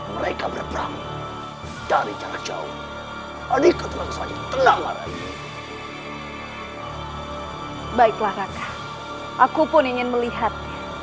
mereka yang terlalu banyak